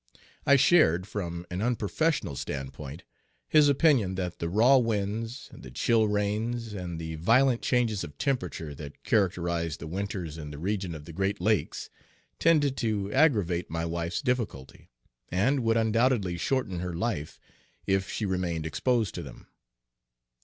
I shared, from an unprofessional standpoint, his opinion that the raw winds, the chill rains, and the violent changes of temperature that characterized the winters in the region of the Great Lakes tended to aggravate my wife's difficulty, and would undoubtedly shorten her life if she remained exposed to them.